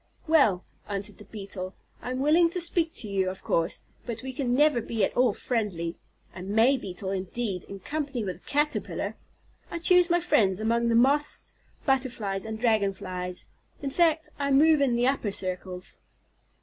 "Well," answered the Beetle, "I am willing to speak to you, of course, but we can never be at all friendly. A May Beetle, indeed, in company with a Caterpillar! I choose my friends among the Moths, Butterflies, and Dragon flies, in fact, I move in the upper circles."